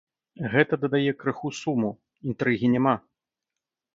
Гэта дадае крыху суму, інтрыгі няма.